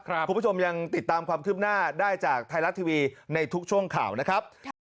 คุณผู้ชมยังติดตามความคืบหน้าได้จากไทยรัฐทีวีในทุกช่วงข่าวนะครับ